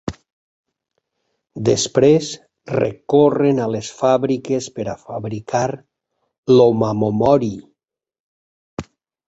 Després, recorren a les fàbriques per a fabricar l'"omamori".